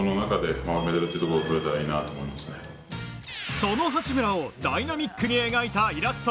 その八村をダイナミックに描いたイラスト。